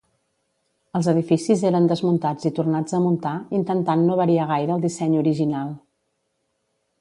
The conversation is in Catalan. Els edificis eren desmuntats i tornats a muntar intentant no variar gaire el disseny original.